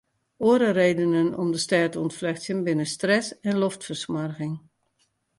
Oare redenen om de stêd te ûntflechtsjen binne stress en loftfersmoarging.